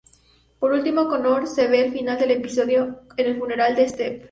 Por último, Connor se ve al final del episodio en el funeral de Stephen.